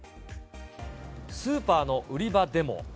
スーパーの売り場でも。